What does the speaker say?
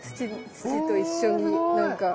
土と一緒になんか。